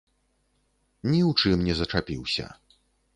Ні ў чым не зачапіўся.